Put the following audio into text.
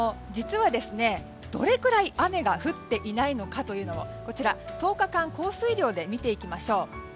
どれくらい雨が降っていないのかこちら１０日間降水量で見ていきましょう。